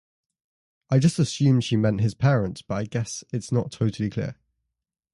I just assumed she meant his parents but I guess it's not totally clear.